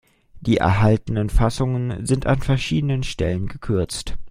Die erhaltenen Fassungen sind an verschiedenen Stellen gekürzt.